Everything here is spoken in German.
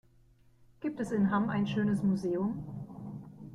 Gibt es in Hamm ein schönes Museum?